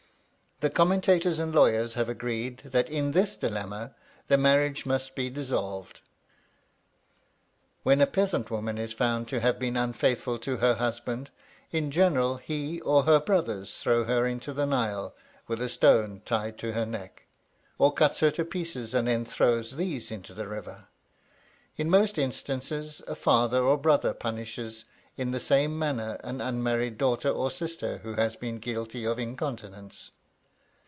The commentators and lawyers have agreed that in this dilemma the marriage must be dissolved. When a peasant woman is found to have been unfaithful to her husband, in general he or her brother throws her into the Nile, with a stone tied to her neck; or cuts her to pieces and then throws these into the river. In most instances a father or brother punishes in the same manner an unmarried daughter or sister who has been guilty of incontinence.